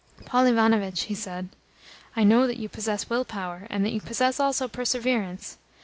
"Paul Ivanovitch," he said, "I know that you possess will power, and that you possess also perseverance.